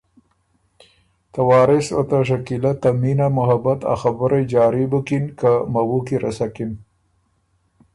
ته وارث او ته شکیله ته مینه محبت ا خبُرئ جاري بُکِن که مَوُو کی رسکِن۔